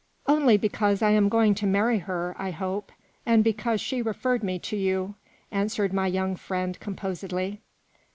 " Only because I am going to marry her, I hope, and because she referred me to you," answered my young friend composedly.